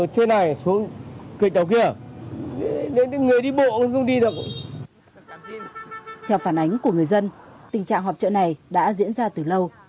theo phản ánh của người dân tình trạng họp trợ này đã diễn ra từ lâu